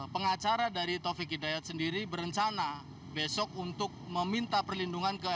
pengacara dari taufik hidayat sendiri berencana besok untuk meminta perlindungan ke